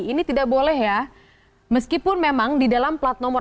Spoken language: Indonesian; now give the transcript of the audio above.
ini tidak boleh ya meskipun memang di dalam plat nomor